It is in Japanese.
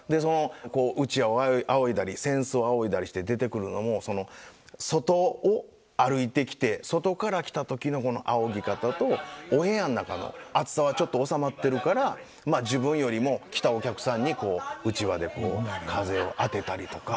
うちわをあおいだり扇子をあおいだりして出てくるのも外を歩いてきて外から来た時のあおぎ方とお部屋ん中の暑さはちょっと収まってるからまあ自分よりも来たお客さんにうちわでこう風を当てたりとか。